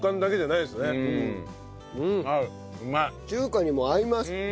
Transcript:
中華にも合います。